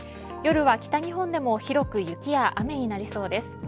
夜は北日本でも広く雪や雨になりそうです。